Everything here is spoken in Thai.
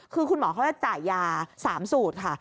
คือคุณหมอเขาจะจ่ายยา๓สูตรค่ะ